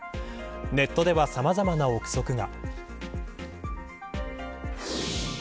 ネットではさまざまな臆測が。